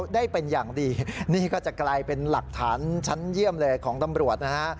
ได้เป็นอย่างดีนี่ก็จะกลายเป็นหลักฐานชั้นเยี่ยมเลยของตำรวจนะฮะ